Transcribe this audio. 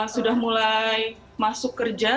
sudah mulai masuk kerja